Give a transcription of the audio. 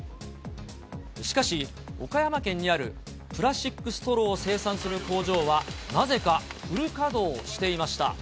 しかし、岡山県にあるプラスチックストローを生産する工場は、なぜかフル稼働していました。